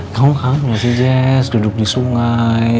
kamu kaget gak sih jess duduk di sungai